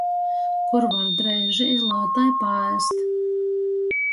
Kur var dreiži i lātai paēst?